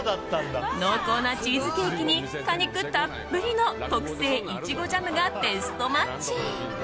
濃厚なチーズケーキに果肉たっぷりの特製イチゴジャムがベストマッチ。